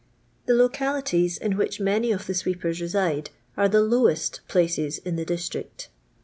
The localities in which many of the sweepers reside are the "lowest" places in the district.